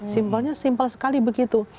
simpelnya simpel sekali begitu